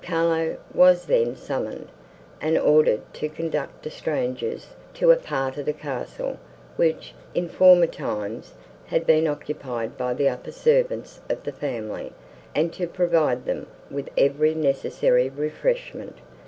Carlo was then summoned, and ordered to conduct the strangers to a part of the castle, which, in former times, had been occupied by the upper servants of the family, and to provide them with every necessary refreshment.